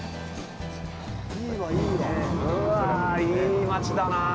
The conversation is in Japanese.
うわぁ、いい町だなぁ！